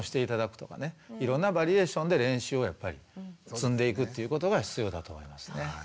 いろんなバリエーションで練習をやっぱり積んでいくということが必要だと思いますね。